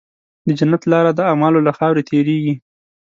د جنت لاره د اعمالو له خاورې تېرېږي.